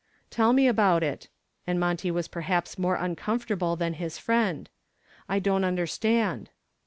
"Tell me about it," and Monty was perhaps more uncomfortable than his friend. "I don't understand."